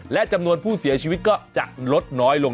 และจำนวนผู้เสียชีวิตก็จะลดน้อยลง